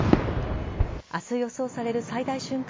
明日予想される最大瞬間